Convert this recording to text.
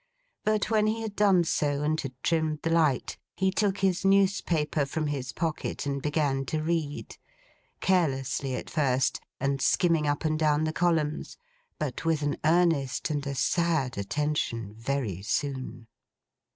But, when he had done so, and had trimmed the light, he took his newspaper from his pocket, and began to read. Carelessly at first, and skimming up and down the columns; but with an earnest and a sad attention, very soon.